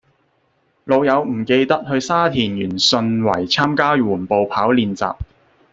老友唔記得去沙田源順圍參加緩步跑練習